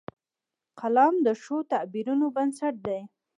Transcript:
قلم د ښو تعبیرونو بنسټ دی